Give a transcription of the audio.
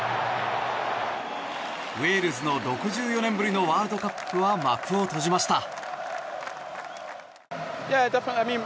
ウェールズの６４年ぶりのワールドカップは幕を閉じました。